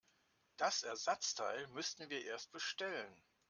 Das Ersatzteil müssten wir erst bestellen.